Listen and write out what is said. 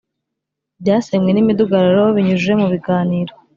byasenywe n imidugararo babinyujije mu biganiro